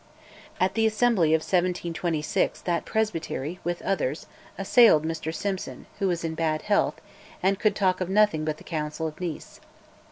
At the Assembly of 1726 that Presbytery, with others, assailed Mr Simson, who was in bad health, and "could talk of nothing but the Council of Nice."